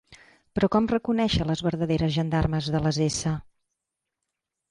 Però com reconèixer les verdaderes gendarmes de les s?